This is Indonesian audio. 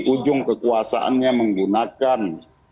ujung kekuasaannya menggunakan